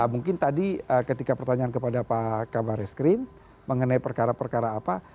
mungkin tadi ketika pertanyaan kepada pak kabar eskrim mengenai perkara perkara apa